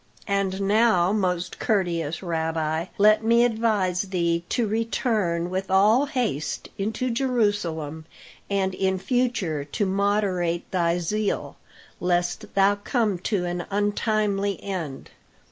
And now, most courteous rabbi, let me advise thee to return with all haste into Jerusalem, and in future to moderate thy zeal, lest thou come to an untimely end."